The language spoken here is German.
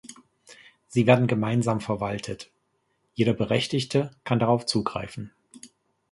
Sie werden gemeinsam verwaltet, jeder Berechtigte kann darauf zugreifen.